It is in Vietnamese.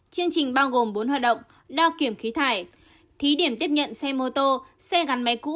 chương trình bao gồm bốn hoạt động đao kiểm khí thải thí điểm tiếp nhận xe mô tô xe gắn máy cũ